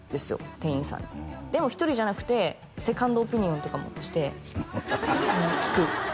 店員さんにでも１人じゃなくてセカンドオピニオンとかもして聞く